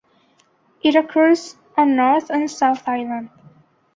It occurs on North and South Island.